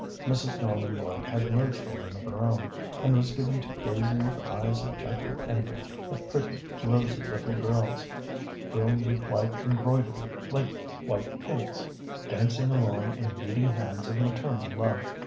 Mrs. Norman Lloyd had no children of her own, and was given to gazing with eyes of gentle envy at pretty, rosy little girls, frilled with white embroidery like white pinks, dancing along in leading hands of maternal love.